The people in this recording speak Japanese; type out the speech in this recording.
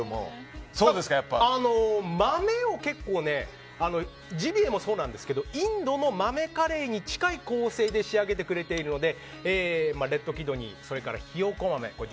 豆を結構ジビエもそうなんですけどインドの豆カレーに近い構成で仕上げてくれてるのでレッドキドニー女性が好きなヒヨコ豆